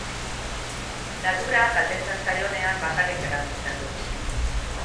Naturak galdetzen zaionean bakarrik erantzuten du.